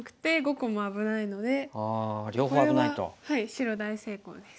白大成功です。